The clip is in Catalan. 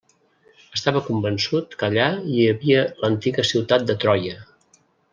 Estava convençut que allà hi havia l'antiga ciutat de Troia.